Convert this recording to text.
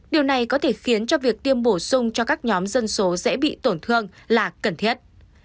điều này có thể khiến cho việc tiêm bổ sung cho các nhóm dân số dễ bị tổn thương là cần thiết